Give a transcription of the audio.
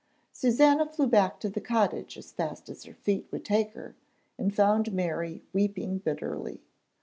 Susannah flew back to the cottage as fast as her feet would take her, and found Mary weeping bitterly.